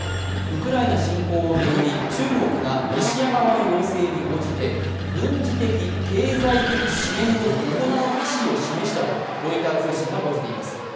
ウクライナ侵攻を巡り、中国がロシア側の要請に応じて軍事的・経済的支援を行う意思を示したとロイター通信が報じています。